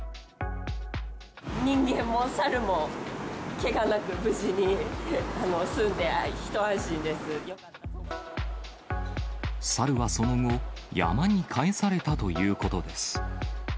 人間もサルもけがなく、サルはその後、山に帰されたということです。